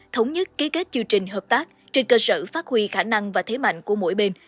thống nhất ký kết chương trình hợp tác trên cơ sở phát huy khả năng và thế mạnh của mỗi bên